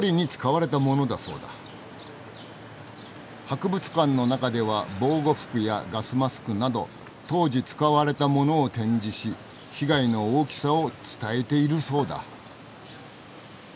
博物館の中では防護服やガスマスクなど当時使われたものを展示し被害の大きさを伝えているそうだ。